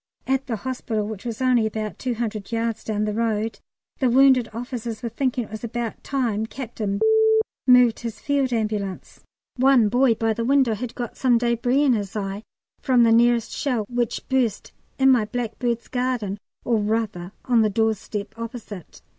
At the hospital, which was only about 200 yards down the road, the wounded officers were thinking it was about time Capt. moved his Field Ambulance. One boy by the window had got some débris in his eye from the nearest shell, which burst in my blackbird's garden, or rather on the doorstep opposite.